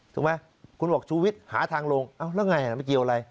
ถูกไหมคุณบอกชูวิทย์หาทางลงเอ้าแล้วไงมันเกี่ยวอะไร